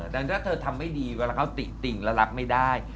ดังนั้นถ้าเธอทำไม่ดีเวลาเขาติติ่งแล้วรับไม่ได้